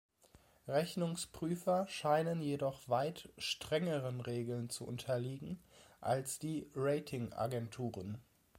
Rechnungsprüfer scheinen jedoch weit strengeren Regeln zu unterliegen als die Rating-Agenturen.